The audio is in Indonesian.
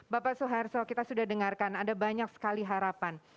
bapak soeharto kita sudah dengarkan ada banyak sekali harapan